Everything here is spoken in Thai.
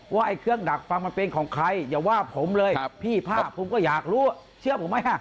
ไอ้เครื่องดักฟังมันเป็นของใครอย่าว่าผมเลยพี่ภาคภูมิก็อยากรู้เชื่อผมไหม